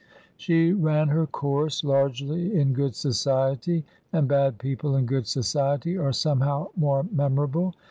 She ran her course largely in good society, and bad people in good society are somehow more memorable.